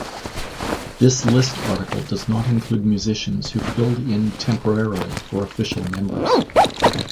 This list article does not include musicians who filled in temporarily for official members.